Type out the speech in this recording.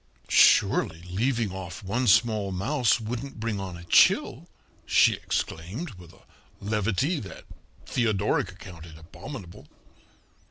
"Surely leaving off one small mouse wouldn't bring on a chill," she exclaimed, with a levity that Theodoric accounted abominable.